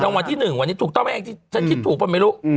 รางวัลที่๑วันนี้ถูกต้องไหมแองที่ฉันคิดถูกป่ะไม่รู้